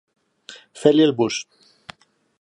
Fer-li el bus.